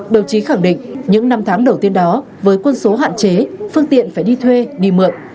đồng chí khẳng định những năm tháng đầu tiên đó với quân số hạn chế phương tiện phải đi thuê đi mượn